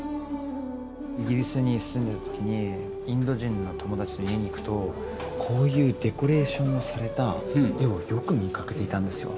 イギリスに住んでる時にインド人の友達の家に行くとこういうデコレーションされた絵をよく見かけていたんですよ。